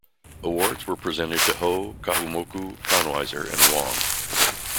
Awards were presented to Ho, Kahumoku, Konwiser and Wong.